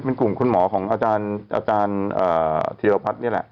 เป็นกลุ่มคุณหมอของอาจารย์ธีรพัฒน์นี่แหละ